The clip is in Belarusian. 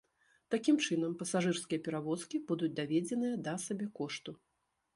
Такім чынам пасажырскія перавозкі будуць даведзеныя да сабекошту.